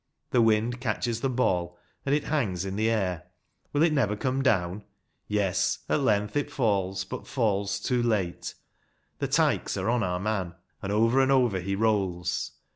The wind catches the ball, and it hangs in the air. Will it never come down ? Yes ‚ÄĒ at length it falls, but falls too late. The "tykes" are on our man, and over and over he rolls.